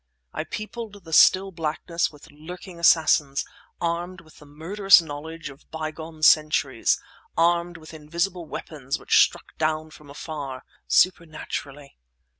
I peopled the still blackness with lurking assassins, armed with the murderous knowledge of by gone centuries, armed with invisible weapons which struck down from afar, supernaturally.